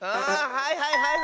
はいはいはいはい！